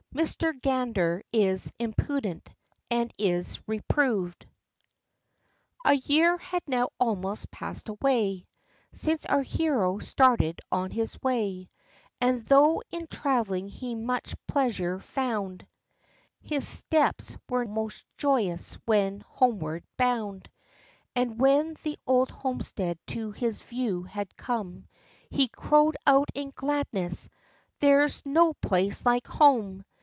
MR. GANDER IS IMPUDENT, AND IS REPROVED. A year had now almost passed away, Since our hero started on his way; And, though in travelling he much pleasure found, His steps were most joyous when homeward bound; And, when the old homestead to his view had come, He crowed out in gladness, "There's no place like home."